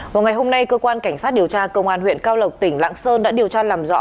vào ngày hôm nay cơ quan cảnh sát điều tra công an huyện cao lộc tỉnh lạng sơn đã điều tra làm rõ